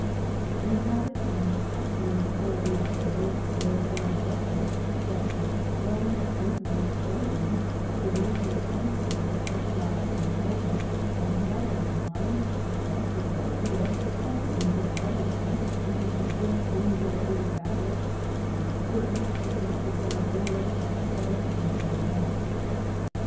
We have it on the excellent authority of the late Lord John Russell that the dethroned Emperor Napo leon, during his temporary exile in Elba, had had bis mind possessed with the idea that the Duke of Welling ton, if he should win any more great battles, would be certain to seize the crown of England and set it on his own head.